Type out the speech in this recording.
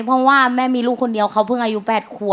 เพราะว่าแม่มีลูกคนเดียวเขาเพิ่งอายุ๘ขวบ